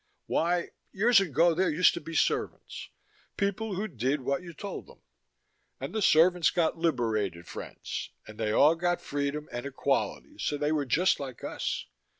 Why, years ago there used to be servants, people who did what you told them. And the servants got liberated, friends, they all got freedom and equality so they were just like us.